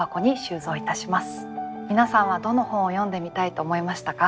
皆さんはどの本を読んでみたいと思いましたか？